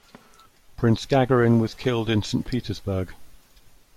Prince Gagarin was killed in Saint Petersburg.